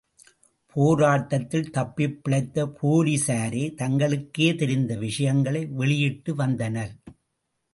போராட்டத்தில் தப்பிப்பிழைத்த போலிஸாரே தங்களுக்கே தெரிந்த விஷயங்களை வெளியிட்டு வந்தனர்.